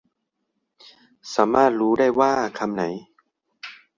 สามารถรู้ได้ว่าคำไหน